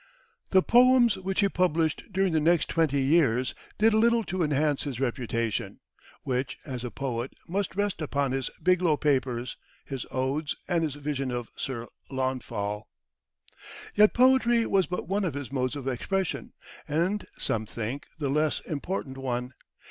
The poems which he published during the next twenty years did little to enhance his reputation, which, as a poet, must rest upon his "Biglow Papers," his odes, and his "Vision of Sir Launfal." Yet poetry was but one of his modes of expression, and, some think, the less important one.